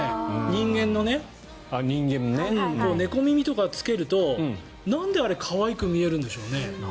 人間のね、猫耳とかつけるとなんで可愛く見えるんでしょうね。